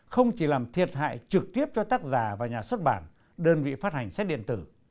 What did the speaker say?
không chỉ làm thiệt hại trực tiếp cho tác giả và nhà xuất bản đơn vị phát hành sách điện tử